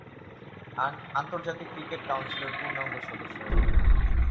আন্তর্জাতিক ক্রিকেট কাউন্সিলের পূর্ণাঙ্গ সদস্য এটি।